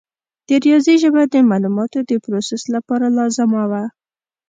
د ریاضي ژبه د معلوماتو د پروسس لپاره لازمه وه.